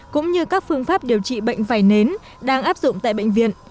cũng như các phương pháp điều trị bệnh vẩy nến đang áp dụng tại bệnh viện